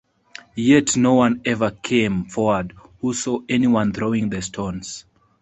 Yet, no one ever came forward who saw anyone throwing the stones.